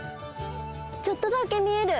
ちょっとだけ見える。